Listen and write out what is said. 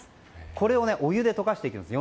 これを、お湯で溶かしていきます。